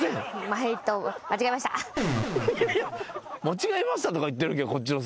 間違えましたとか言ってるけどこっちの猿。